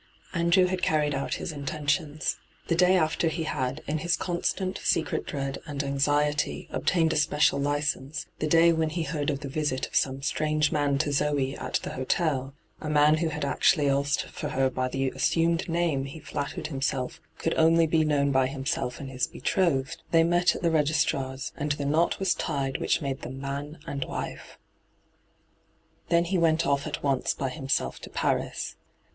Andrew had carried out his intentions. The day after he had, in his constant secret dread and anxiety, obtained a special license, the day when he heard of the visit of some strange man to Zoe at the hotel — a man who had actually asked for her by the assumed name he flattered himself could only be known by himself and his betrothed — they met at the registrar's, and the knot was tied which made them man and wife. Then he went off at once by himself to Paris.